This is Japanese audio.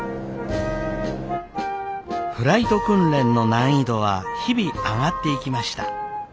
フライト訓練の難易度は日々上がっていきました。